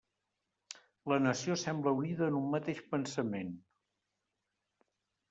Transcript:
La nació sembla unida en un mateix pensament.